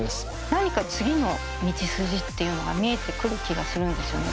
何か次の道筋っていうのが見えてくる気がするんですよね。